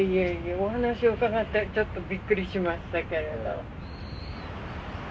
お話を伺ってちょっとびっくりしましたけれど。